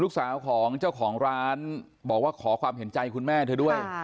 ลูกสาวของเจ้าของร้านบอกว่าขอความเห็นใจคุณแม่เธอด้วย